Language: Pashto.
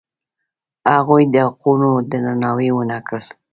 هغوی د حقونو درناوی ونه کړ.